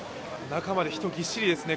中まで人ぎっしりですね。